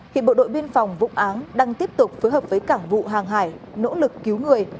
hiện bộ đội biên phòng vụ áng đang tiếp tục phối hợp với cảng vụ hàng hải nỗ lực cứu người